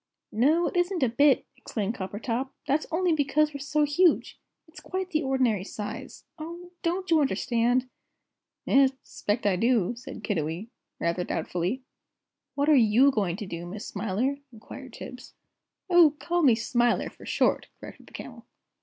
"No, it isn't a bit," exclaimed Coppertop; "that's only because we're so huge. It's quite the ordinary size. Oh, don't you understand?" "'Es, I 'spect I do," said Kiddiwee, rather doubtfully. "What are you going to do, Miss Smiler?" inquired Tibbs. "Oh, call me Smiler, for short!" corrected the Camel.